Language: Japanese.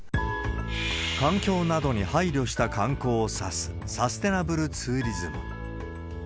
環境などに配慮した観光を指す、サステナブルツーリズム。